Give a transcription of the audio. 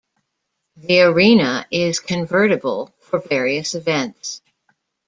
The arena is convertible for various events.